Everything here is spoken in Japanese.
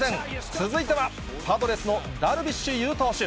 続いては、パドレスのダルビッシュ有投手。